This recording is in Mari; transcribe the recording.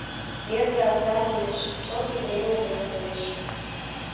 Эрге аза, манеш. Чылт Епремла веле коеш.